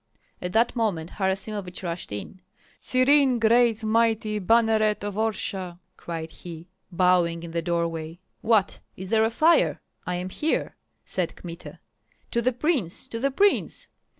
At that moment Harasimovich rushed in. "Serene great mighty banneret of Orsha!" cried he, bowing in the doorway. "What? Is there a fire? I am here!" said Kmita. "To the prince! to the prince!"